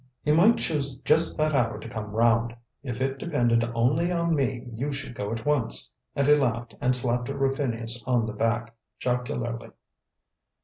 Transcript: "He might choose just that hour to come round. If it depended only on me you should go at once," and he laughed and slapped Rufinus on the back, jocularly.